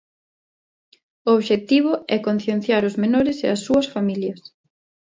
O obxectivo é concienciar os menores e as súas familias.